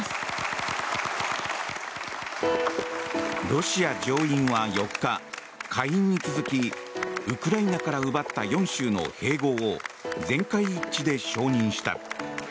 ロシア上院は４日、下院に続きウクライナから奪った４州の併合を全会一致で承認した。